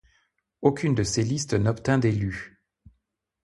Aucune de ces listes n'obtint d'élu.